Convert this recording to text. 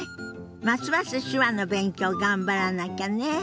ますます手話の勉強頑張らなきゃね。